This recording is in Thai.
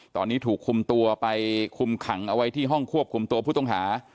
ตอนนี้ถูกคุมตัวไปคุมขังเอาไว้ที่ห้องควบคุมตัวผู้ต้องหา